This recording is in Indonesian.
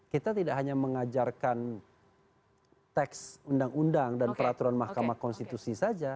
kita tidak hanya mengajarkan teks undang undang dan peraturan mahkamah konstitusi saja